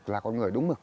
là con người đúng mực